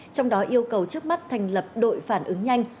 trong đó yêu cầu trước mắt thành lập đội phản ứng nhanh